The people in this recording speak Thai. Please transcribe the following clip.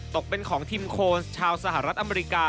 ตกเป็นของทีมโค้ชชาวสหรัฐอเมริกา